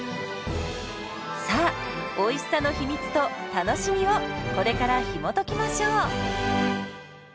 さあおいしさの秘密と楽しみをこれからひもときましょう。